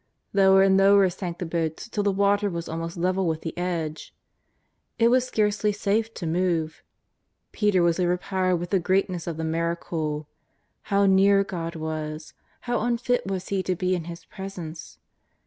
Lower and lower sank the boats till the water was almost level with the edge. It was scarcely safe to move. Peter was overpowered with the greatness of the miracle. How near God was! How unfit was he to be in His Presence